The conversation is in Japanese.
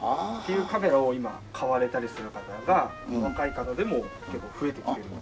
っていうカメラを今買われたりする方が若い方でも結構増えてきてる。